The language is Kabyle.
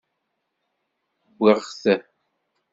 Wwiɣ-t.